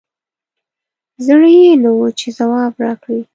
زړه یي نه وو چې ځواب راکړي